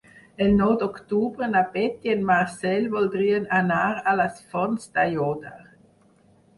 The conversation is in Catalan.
El nou d'octubre na Beth i en Marcel voldrien anar a les Fonts d'Aiòder.